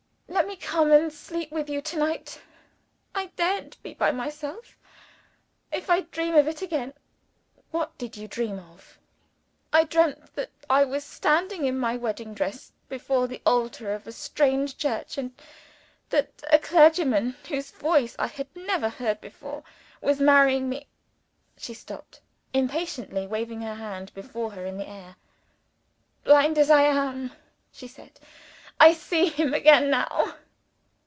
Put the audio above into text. Let me come and sleep with you to night. I daren't be by myself, if I dream of it again." "What did you dream of?" "I dreamt that I was standing, in my wedding dress, before the altar of a strange church; and that a clergyman whose voice I had never heard before, was marrying me " She stopped, impatiently waving her hand before her in the air. "Blind as I am," she said, "I see him again now!"